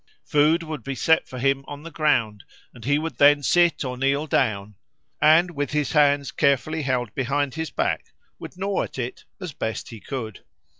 Food would be set for him on the ground, and he would then sit or kneel down, and, with his hands carefully held behind his back, would gnaw at it as best he could.